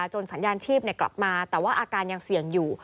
สัญญาณชีพกลับมาแต่ว่าอาการยังเสี่ยงอยู่